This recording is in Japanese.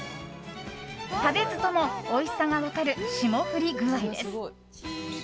食べずともおいしさが分かる霜降り具合です。